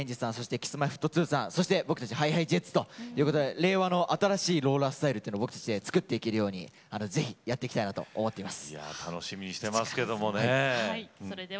Ｋｉｓ−Ｍｙ−Ｆｔ２さんそして僕たちＨｉＨｉＪｅｔｓと令和の新しいローラースタイルを作っていけるようにやっていきたいなと思っています。